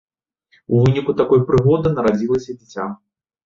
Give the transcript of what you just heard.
У выніку такой прыгоды нарадзілася дзіця.